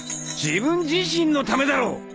自分自身のためだろう！